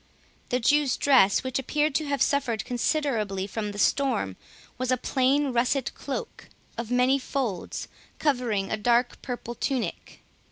The Jew's dress, which appeared to have suffered considerably from the storm, was a plain russet cloak of many folds, covering a dark purple tunic.